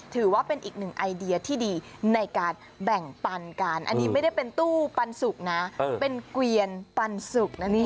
ถือว่าเป็นอีกหนึ่งไอเดียที่ดีในการแบ่งปันกันอันนี้ไม่ได้เป็นตู้ปันสุกนะเป็นเกวียนปันสุกนะนี่